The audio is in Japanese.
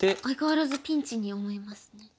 相変わらずピンチに思いますね。